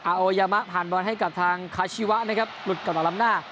อาโอยามะผ่านบอลให้กับทางคาชิวะนะครับหลุดกับอลัมน่า